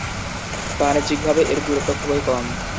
বাণিজ্যিকভাবে এর গুরুত্ব খুবই কম।